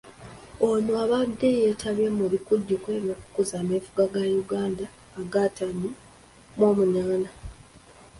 Ono abadde yeetabye mu bikujjuko by'okukuza ameefuga ga Uganda aga ataano mw'omunaana.